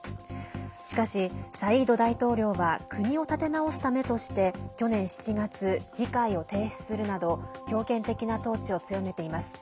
しかし、サイード大統領は国を立て直すためとして去年７月、議会を停止するなど強権的な統治を強めています。